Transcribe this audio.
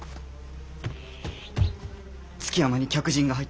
築山に客人が入ったそうで。